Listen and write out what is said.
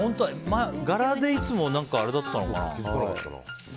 柄でいつもあれだったのかな。